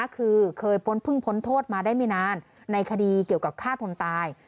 คือเคยพ้นเพิ่งพ้นโทษมาได้ไม่นานในคดีเกี่ยวกับฆ่าคนตาย